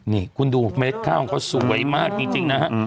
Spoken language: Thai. นี่คุณดูเมล็ดข้าวของเขาสวยมากจริงนะฮะ